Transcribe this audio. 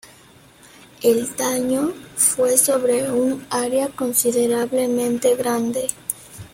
El daño fue sobre un área considerablemente grande.